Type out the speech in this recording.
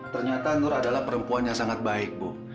ternyata nur adalah perempuan yang sangat baik bu